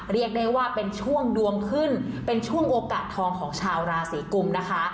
เรียกได้ว่าเป็นช่วงดวงขึ้นเป็นช่วงโอกาสทองของชาวราศีกุมนะคะ